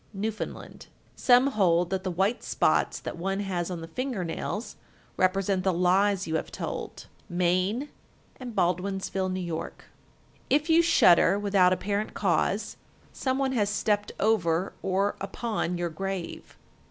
Newfoundland. 1370. Some hold that the white spots that one has on the finger nails represent the lies you have told. Maine and Baldwinsville, N.Y. 1371. If you shudder without apparent cause, some one has stepped over or upon your grave.